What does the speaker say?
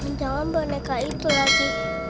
teman teman boneka itu lagi